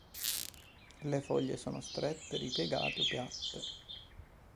Le foglie sono strette, ripiegate o piatte.